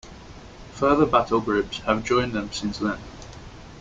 Further battlegroups have joined them since then.